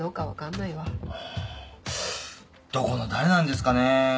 どこの誰なんですかね？